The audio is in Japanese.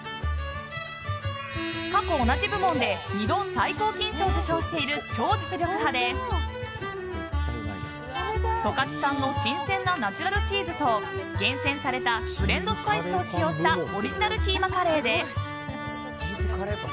過去同じ部門で２度最高金賞を受賞している超実力派で十勝産の新鮮なナチュラルチーズと厳選されたブレンドスパイスを使用したオリジナルキーマカレーです。